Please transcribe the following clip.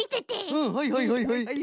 うんはいはいはいはいはい。